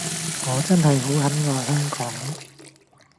我真係好很愛香港